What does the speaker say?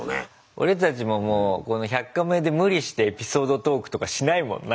俺たちももうこの「１００カメ」で無理してエピソードトークとかしないもんな。